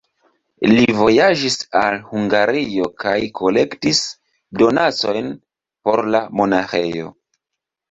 Li vojaĝis al Hungario kaj kolektis donacojn por la monaĥejo.